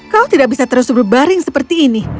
kau tidak bisa terus berbaring seperti ini